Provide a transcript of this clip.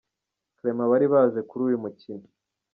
Clement bari baje kuri uyu mukino.